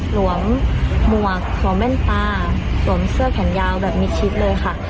สวมหมวกสวมแว่นตาสวมเสื้อแขนยาวแบบมิดชิดเลยค่ะ